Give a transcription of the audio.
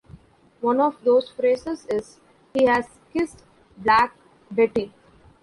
One of those phrases is He's kiss'd black Betty.